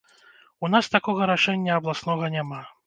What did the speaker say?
У нас такога рашэння абласнога няма.